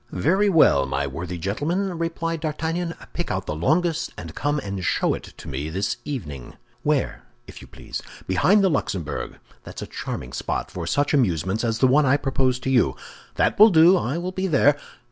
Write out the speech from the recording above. "Very well, my worthy gentleman," replied D'Artagnan, "pick out the longest, and come and show it to me this evening." "Where, if you please?" "Behind the Luxembourg; that's a charming spot for such amusements as the one I propose to you." "That will do; I will be there."